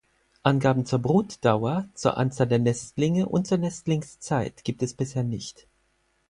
Angaben zur Brutdauer, zur Anzahl der Nestlinge und zur Nestlingszeit gibt es bisher nicht.